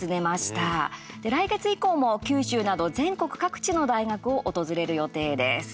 来月以降も九州など全国各地の大学を訪れる予定です。